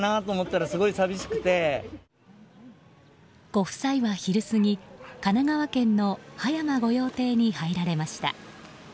ご夫妻は昼過ぎ、神奈川県の葉山御用邸に入られました。